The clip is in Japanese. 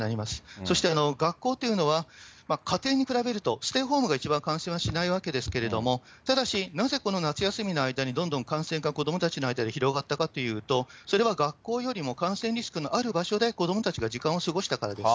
そして学校というのは、家庭に比べると、ステイホームが一番感染はしないわけですけれども、ただし、なぜこの夏休みの間にどんどん感染が子どもたちの間で広がったかというと、それは学校よりも感染リスクのある場所で、子どもたちが時間を過ごしたからです。